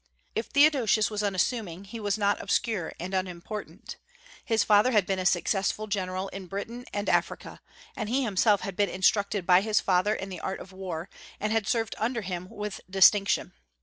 If Theodosius was unassuming, he was not obscure and unimportant. His father had been a successful general in Britain and Africa, and he himself had been instructed by his father in the art of war, and had served under him with distinction.